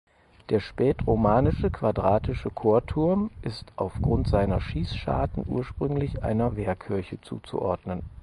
Der spätromanische quadratische Chorturm ist auf Grund seiner Schießscharten ursprünglich einer Wehrkirche zuzuordnen.